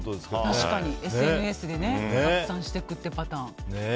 確かに、ＳＮＳで拡散していくってパターン。